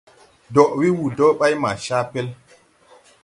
Dɔʼ wee wuu dɔɔ ɓay maa caa pel.